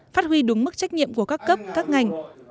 phát huy đúng mức trách nhiệm của các cấp các ngành